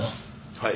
はい。